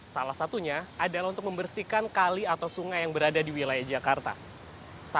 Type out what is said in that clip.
salah satunya adalah untuk membersihkan kali atau sungai yang berada di wilayah jakarta